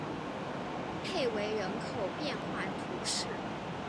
佩维人口变化图示